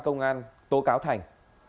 công an tố cáo thành